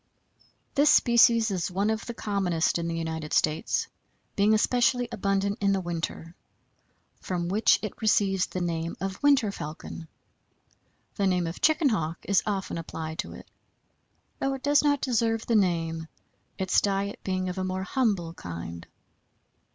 This species is one of the commonest in the United States, being especially abundant in the winter, from which it receives the name of Winter Falcon. The name of Chicken Hawk is often applied to it, though it does not deserve the name, its diet being of a more humble kind.